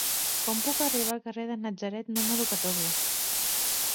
Com puc arribar al carrer de Natzaret número catorze?